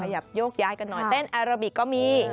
อยากโยกย้ายกันหน่อยเต้นอาราบิกก็มี